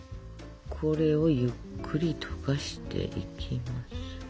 これをゆっくり溶かしていきますよ。